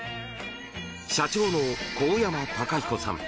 社長の神山隆彦さん。